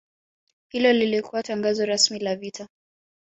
Hilo lilikuwa tangazo rasmi la vita